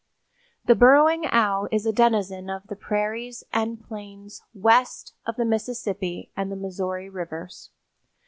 _) The Burrowing Owl is a denizen of the prairies and plains west of the Mississippi and the Missouri rivers.